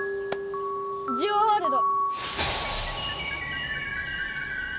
ジオワールド！